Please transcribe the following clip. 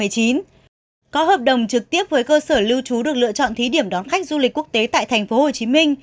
có hợp đồng trực tiếp với cơ sở lưu trú được lựa chọn thí điểm đón khách du lịch quốc tế tại tp hcm